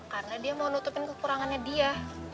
karena dia mau nutupin kekurangannya dia